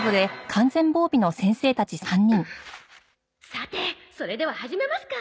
さてそれでは始めますか。